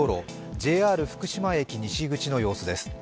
ＪＲ福島駅西口の様子です。